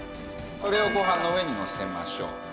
それをご飯の上にのせましょう。